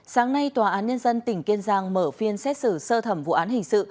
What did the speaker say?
sáng nay tòa án nhân dân tỉnh kiên giang mở phiên xét xử sơ thẩm vụ án hình sự